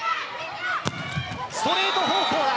ストレート方向だ。